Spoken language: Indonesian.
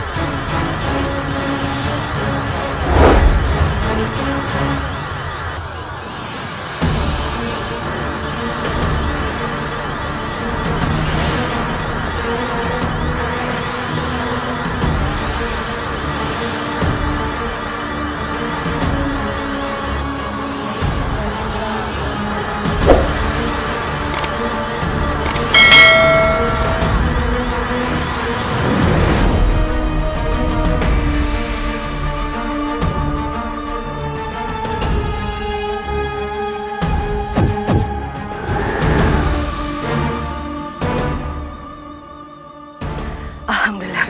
dan dinda akan menyerang dinda